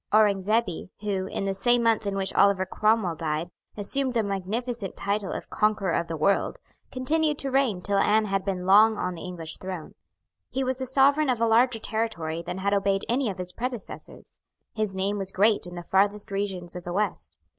Aurengzebe, who, in the same month in which Oliver Cromwell died, assumed the magnificent title of Conqueror of the World, continued to reign till Anne had been long on the English throne. He was the sovereign of a larger territory than had obeyed any of his predecessors. His name was great in the farthest regions of the West.